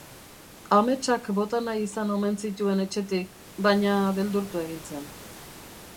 Ametsak bota nahi izan omen zituen etxetik, baina beldurtu egin zen.